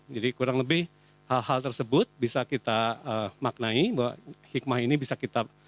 jadi kurang lebih hal hal tersebut bisa kita maknai bahwa hikmah ini bisa kita